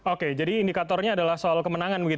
oke jadi indikatornya adalah soal kemenangan